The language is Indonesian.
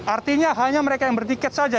artinya hanya mereka yang bertiket saja